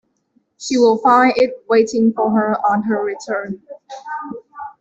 She will find it waiting for her on her return.